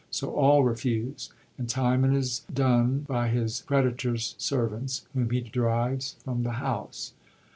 So all refuse, and Timon is dund by his creditors' servants, whom he drives from the house.